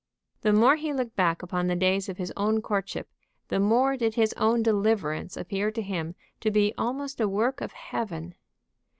The more he looked back upon the days of his own courtship the more did his own deliverance appear to him to be almost a work of Heaven.